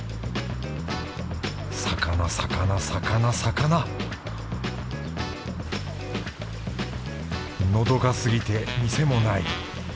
魚魚魚魚のどかすぎて店もない。